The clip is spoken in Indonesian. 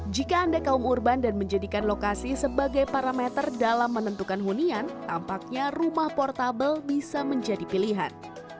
jika anda kaum urban dan menjadikan lokasi sebagai parameter dalam menentukan hunian tampaknya rumah portable bisa menjadi pilihan